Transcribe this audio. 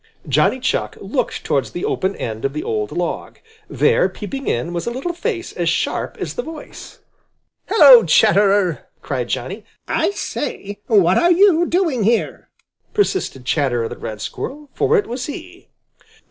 Johnny Chuck looked towards the open end of the old log. There, peeping in, was a little face as sharp as the voice. "Hello, Chatterer!" cried Johnny. "I say, what are you doing here?" persisted Chatterer the Red Squirrel, for it was he.